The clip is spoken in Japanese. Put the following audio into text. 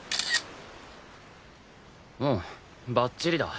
うんばっちりだ。